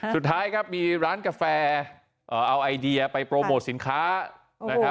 สุดท้ายครับมีร้านกาแฟเอาไอเดียไปโปรโมทสินค้านะครับ